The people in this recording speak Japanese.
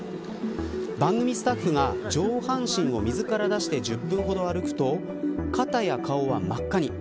番組スタッフが上半身を水から出して１０分ほど歩くと肩や顔は真っ赤に。